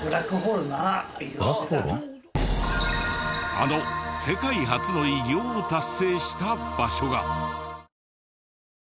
あの世界初の偉業を達成した場所が。